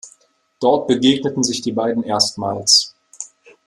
Dort begegneten sich die beiden erstmals.